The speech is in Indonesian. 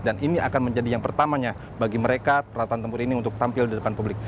dan ini akan menjadi yang pertamanya bagi mereka perataan tempur ini untuk tampil di depan publik